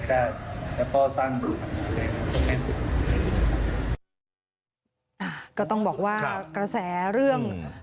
แต่ถ้าเราไม่เปิดภัยเกตุนี้